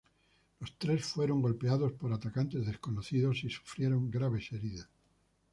Los tres fueron golpeados por atacantes desconocidos y sufrieron graves heridas.